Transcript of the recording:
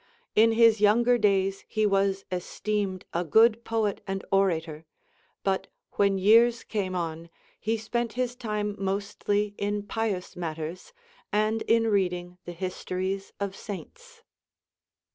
In his younger days he was esteemed a good poet and orator, but when years came on, he spent his time mostly in pious matters, and in reading the histories of Saints."